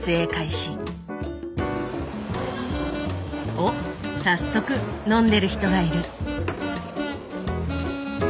おっ早速飲んでる人がいる。